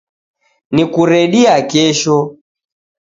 Nikuredia kesho